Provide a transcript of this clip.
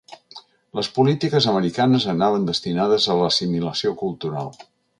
Les polítiques americanes anaven destinades a l’assimilació cultural.